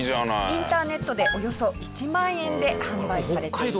インターネットでおよそ１万円で販売されています。